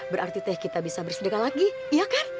berarti teh kita bisa bersedekah lagi iya kan